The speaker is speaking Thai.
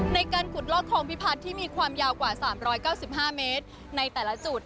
ในการขุดลอกคลองพิพัฒน์ที่มีความยาวกว่า๓๙๕เมตรในแต่ละจุด